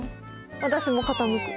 私も傾く。